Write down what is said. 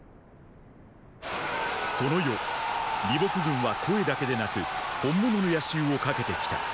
その夜李牧軍は声だけでなく本物の夜襲をかけてきた。